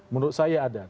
menurut saya ada